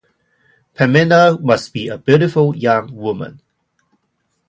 Pamina must be a beautiful young woman.